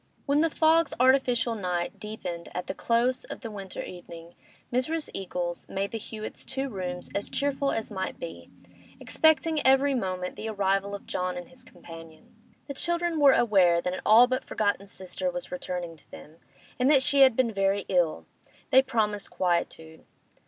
... When the fog's artificial night deepened at the close of the winter evening, Mrs. Eagles made the Hewetts' two rooms as cheerful as might be, expecting every moment the arrival of John and his companion. The children were aware that an all but forgotten sister was returning to them, and that she had been very ill; they promised quietude.